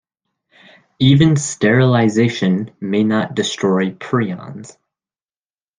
Even sterilization may not destroy prions.